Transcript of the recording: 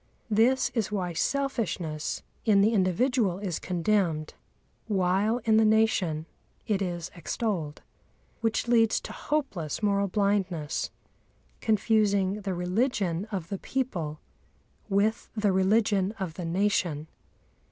This is why selfishness in the individual is condemned, while in the nation it is extolled, which leads to hopeless moral blindness, confusing the religion of the people with the religion of the nation.